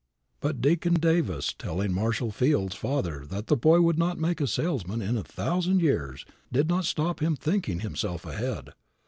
But Deacon Davis's telling Marshall Field's father that the boy would not make a salesman in a thousand years did not stop him thinking himself ahead.